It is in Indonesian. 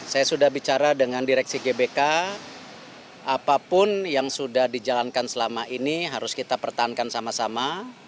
saya sudah bicara dengan direksi gbk apapun yang sudah dijalankan selama ini harus kita pertahankan sama sama